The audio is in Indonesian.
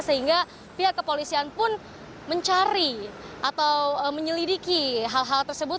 sehingga pihak kepolisian pun mencari atau menyelidiki hal hal tersebut